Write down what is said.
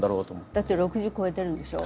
だって６０超えてるんでしょう？